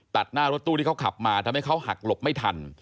ตัดหน้ารถตู้ที่เขาขับมาทำให้เขาหักหลบไม่ทัน